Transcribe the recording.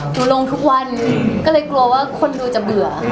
ลงทุกวันก็เลยกลัวว่าคนดูจะเบื่อ